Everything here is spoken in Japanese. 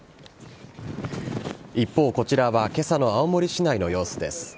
一方、こちらはけさの青森市内の様子です。